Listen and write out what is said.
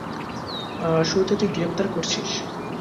গুরুকে তুই গ্রেফতার করেছিস।